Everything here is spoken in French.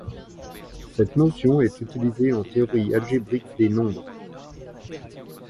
Cette notion est utilisée en théorie algébrique des nombres.